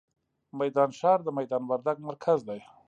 میدان ښار، د میدان وردګ مرکز دی.